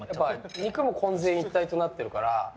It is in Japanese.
肉も混然一体となってるから。